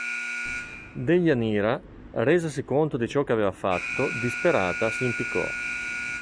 Deianira, resasi conto di ciò che aveva fatto disperata si impiccò.